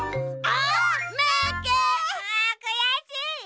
あっくやしい！